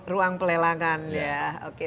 ruang pelelangan ya oke